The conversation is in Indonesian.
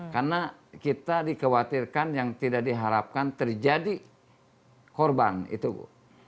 karena kita dikhawatirkan yang tidak diharapkan terjadi korban itu bu